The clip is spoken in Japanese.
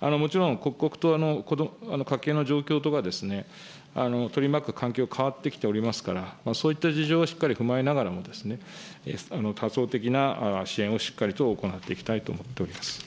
もちろん、刻々と家庭の状況とか取り巻く環境、変わってきておりますから、そういった事情はしっかり踏まえながらも、多層的な支援をしっかりと行っていきたいと思っております。